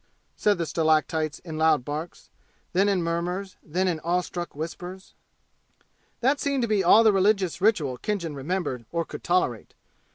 said the stalactites, in loud barks then in murmurs then in awe struck whispers. That seemed to be all the religious ritual Khinjan remembered or could tolerate.